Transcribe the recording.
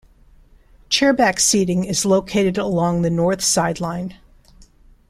Chairback seating is located along the north sideline.